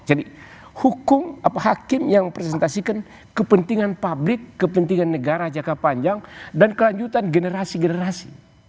jadi hakim yang presentasikan kepentingan publik kepentingan negara jangka panjang dan kelanjutan generasi generasi